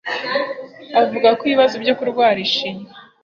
Avuga ko ibibazo byo kurwara ishinya,